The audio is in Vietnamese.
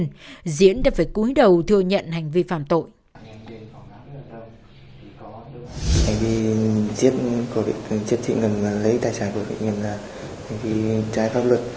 nguyễn văn diễn đã phải cúi đầu thừa nhận hành vi phạm tội